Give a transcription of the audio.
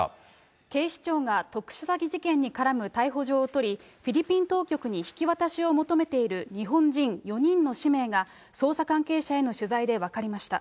警視庁が特殊詐欺事件に絡む逮捕状を取り、フィリピン当局に引き渡しを求めている日本人４人の氏名が、捜査関係者への取材で分かりました。